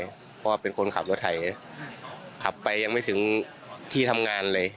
เพราะว่าเป็นคนขับรถไถขับไปยังไม่ถึงที่ทำงานเลย